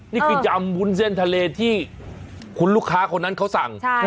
นี่คือยำวุ้นเส้นทะเลที่คุณลูกค้าคนนั้นเขาสั่ง